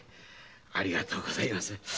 ありがとうございます。